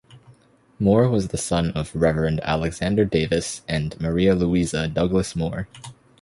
Moore was the son of the Reverend Alexander Davis and Maria Louisa Douglas Moore.